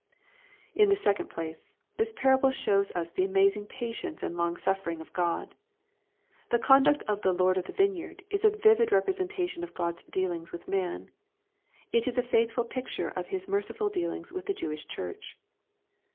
In the second place, this parable shoios v^ the amazing patience and long suffering of God, The conduct of the " lord of the vineyard" is a vivid representation of God's dealings with man. — It is a faithful picture of His mer ciful dealings with the Jewish church.